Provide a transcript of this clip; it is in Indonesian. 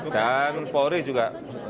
dan polri juga